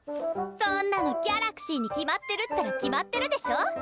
そんなのギャラクシーに決まってるったら決まってるでしょ？